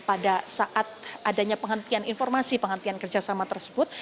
pada saat adanya penghentian informasi penghentian kerjasama tersebut